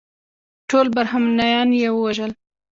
ټول برهمنان یې ووژل.